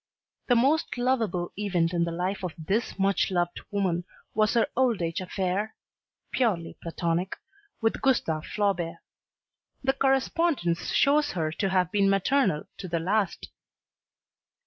The most lovable event in the life of this much loved woman was her old age affair purely platonic with Gustave Flaubert. The correspondence shows her to have been "maternal" to the last.